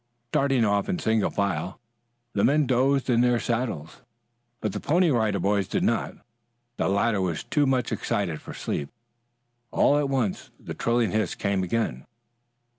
Starting off in single file the men dozed in their saddles, but the Pony Rider Boys did not. The latter were too much excited for sleep. All at once that trilling hiss came again.